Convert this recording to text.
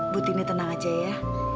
butini tenang aja ya